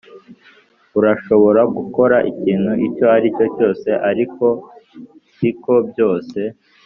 "urashobora gukora ikintu icyo aricyo cyose, ariko siko byose.